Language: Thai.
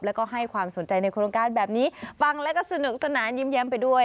แล้วก็ให้ความสนใจในโครงการแบบนี้ฟังแล้วก็สนุกสนานยิ้มแย้มไปด้วย